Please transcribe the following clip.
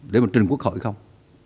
để mà trình quốc hội không